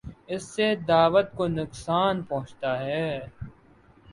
اس سے دعوت کو نقصان پہنچتا ہے۔